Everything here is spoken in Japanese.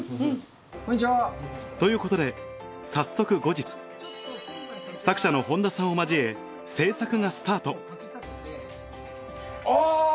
ということで早速後日作者の本多さんを交え制作がスタートあ！